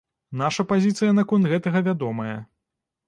Наша пазіцыя наконт гэтага вядомая.